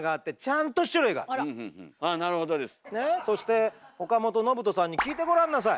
そして岡本信人さんに聞いてごらんなさい。